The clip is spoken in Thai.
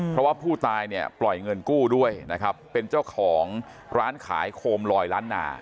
เพราะว่าผู้ตายเนี่ยปล่อยเงินกู้ด้วยนะครับเป็นเจ้าของร้านขายโคมลอยล้านนา